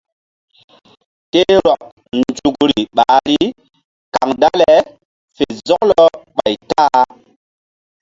Ke rɔk nzukri ɓahri kaŋ dale fe zɔklɔ ɓay ta-a.